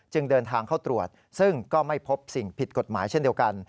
เดินทางเข้าตรวจซึ่งก็ไม่พบสิ่งผิดกฎหมายเช่นเดียวกัน